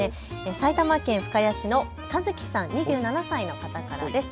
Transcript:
埼玉県深谷市のカズキさん、２７歳の方からです。